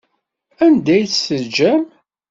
Anda ay tt-teǧǧam?